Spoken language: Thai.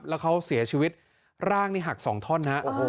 แล้วเขาเสียชีวิตร่างนี่หัก๒ท่อนฮะ